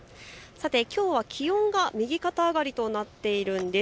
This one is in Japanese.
きょうは気温が右肩上がりとなっているんです。